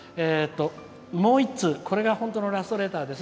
もう一通、これが本当のラストレターです。